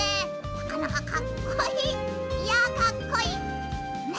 なかなかかっこいい！いやかっこいい！